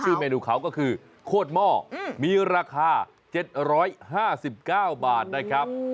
เมนูเขาก็คือโคตรหม้อมีราคา๗๕๙บาทนะครับ